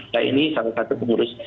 ya ini salah satu pengurus